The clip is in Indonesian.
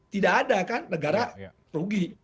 tidak ada kan negara rugi